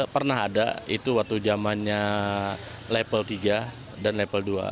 pernah ada itu waktu zamannya level tiga dan level dua